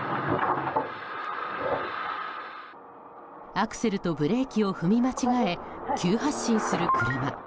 アクセルとブレーキを踏み間違え、急発進する車。